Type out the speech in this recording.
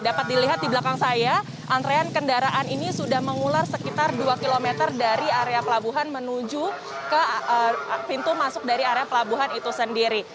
dapat dilihat di belakang saya antrean kendaraan ini sudah mengular sekitar dua km dari area pelabuhan menuju ke pintu masuk dari area pelabuhan itu sendiri